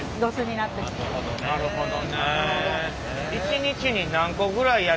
なるほど。